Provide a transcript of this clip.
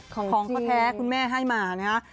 ของเขาแท้คุณแม่ให้มานะครับ